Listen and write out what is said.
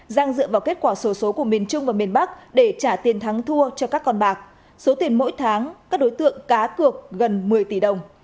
giang dựa vào kết quả sổ số của miền trung và miền bắc để trả tiền thắng thua cho các con bạc số tiền mỗi tháng các đối tượng cá cược gần một mươi tỷ đồng